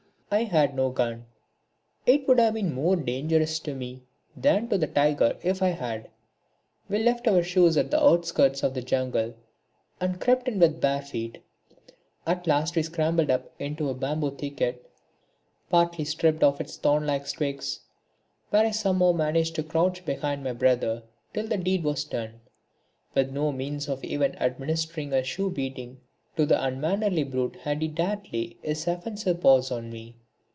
I had no gun, it would have been more dangerous to me than to the tiger if I had. We left our shoes at the outskirts of the jungle and crept in with bare feet. At last we scrambled up into a bamboo thicket, partly stripped of its thorn like twigs, where I somehow managed to crouch behind my brother till the deed was done; with no means of even administering a shoe beating to the unmannerly brute had he dared lay his offensive paws on me!